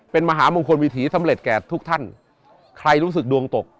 เป็นมหามงคลวิถีสำเร็จแก่ทุกท่านใครรู้สึกดวงตก